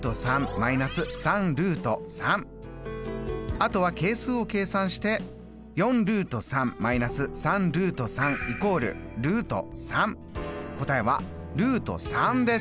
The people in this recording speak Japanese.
あとは係数を計算して答えはです！